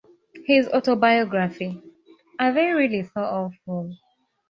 His autobiography, Are They Really So Awful?